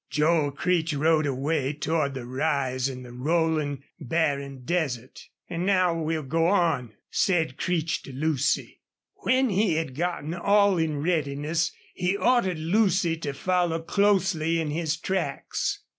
Joel Creech rode away toward the rise in the rolling, barren desert. "An' now we'll go on," said Creech to Lucy. When he had gotten all in readiness he ordered Lucy to follow closely in his tracks.